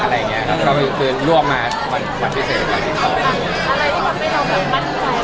อะไรที่ปรับให้เราแบบมั่นใจว่า